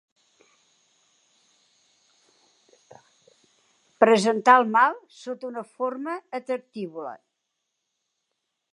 Presentar el mal sota una forma atractívola.